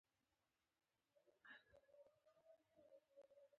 تاریخ د افغانستان د بېلابېلو ولایاتو په کچه یو له بل سره توپیر لري.